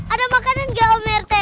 ada makanan juga pak rt